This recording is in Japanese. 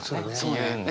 言うんで。